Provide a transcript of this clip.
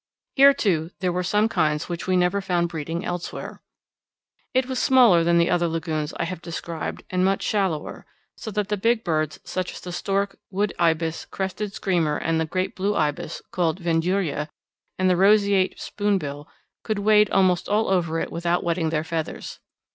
Here, too, there were some kinds which we never found breeding elsewhere. It was smaller than the other lagoons I have described and much shallower, so that the big birds, such as the stork, wood ibis, crested screamer, and the great blue ibis, called vanduria, and the roseate spoonbill, could wade almost all over it without wetting their feathers.